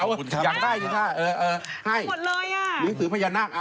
พี่อ๋อให้อยากได้ถึงมาอย่างนี้ค่ะ